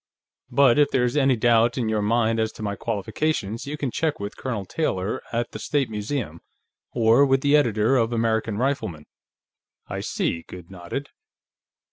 But if there's any doubt in your mind as to my qualifications, you can check with Colonel Taylor, at the State Museum, or with the editor of the American Rifleman." "I see." Goode nodded.